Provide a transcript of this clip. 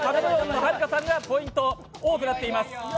はるかさんがポイント多くなっています。